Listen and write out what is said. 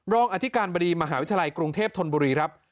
อธิการบดีมหาวิทยาลัยกรุงเทพธนบุรีครับ